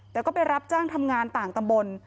แต่ก็ไปรับจ้างทำงานต่างตำบล